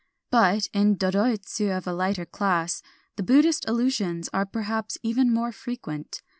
But in dodoitsu of a lighter class the Buddhist allusions are perhaps even more frequent.